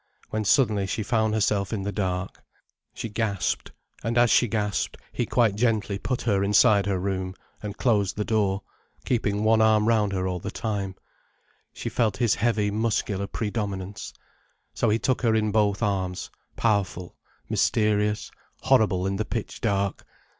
When suddenly she found herself in the dark. She gasped. And as she gasped, he quite gently put her inside her room, and closed the door, keeping one arm round her all the time. She felt his heavy muscular predominance. So he took her in both arms, powerful, mysterious, horrible in the pitch dark.